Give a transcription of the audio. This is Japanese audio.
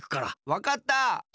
わかった！